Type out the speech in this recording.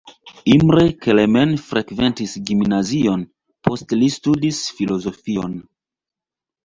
Imre Kelemen frekventis gimnazion, poste li studis filozofion.